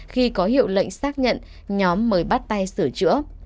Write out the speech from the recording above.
khi có hiệu lệnh xác nhận nhóm mới bắt tay sửa chữa